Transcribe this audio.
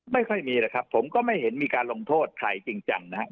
ไม่ค่อยมีนะครับผมก็ไม่เห็นมีการลงโทษใครจริงจังนะครับ